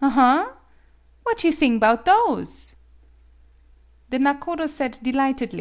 Aha! What you thing 'bout those?" The nakodo said delightedly